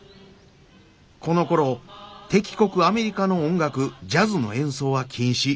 このころ敵国アメリカの音楽ジャズの演奏は禁止。